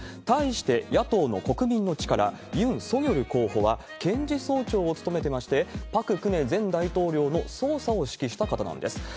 対して、野党の国民の力、ユン・ソギョル候補は、検事総長を務めておりまして、パク・クネ前大統領の捜査を担当した方なんです。